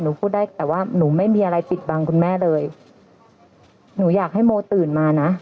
พูดได้แต่ว่าหนูไม่มีอะไรปิดบังคุณแม่เลยหนูอยากให้โมตื่นมานะ